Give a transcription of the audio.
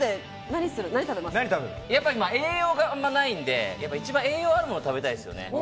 やっぱり栄養があんまないんで、栄養あるもの食べたいですよね。